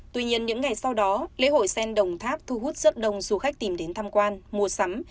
tuy nhiên những ngày sau đó lễ hội sen đồng tháp thu hút rất đông du khách tìm đến tham quan mua sắm